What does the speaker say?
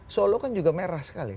solo kan juga merah sekali